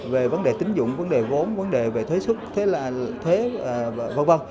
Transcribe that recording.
về vấn đề tính dụng vấn đề vốn vấn đề về thuế xuất thuế v v